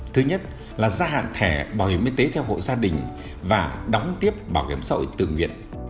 thứ nhất là gia hạn thẻ bảo hiểm y tế theo hội gia đình và đóng tiếp bảo hiểm sội tự nguyện